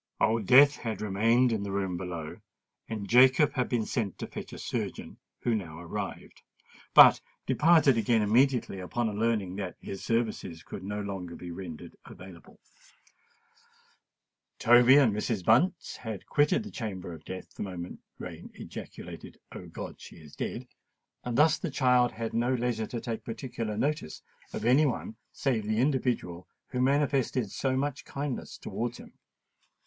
Old Death had remained in the room below; and Jacob had been sent to fetch a surgeon, who now arrived, but departed again immediately upon learning that his services could no longer be rendered available. Toby and Mrs. Bunce had quitted the chamber of death the moment Rain ejaculated, "O God! she is dead;"—and thus the child had no leisure to take particular notice of any one save the individual who manifested so much kindness towards him.